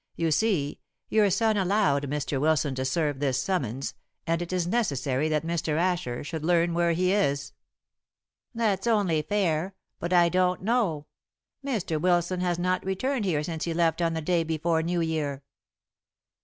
You see, your son allowed Mr. Wilson to serve this summons, and it is necessary that Mr. Asher should learn where he is." "That's only fair; but I don't know. Mr. Wilson has not returned here since he left on the day before New Year."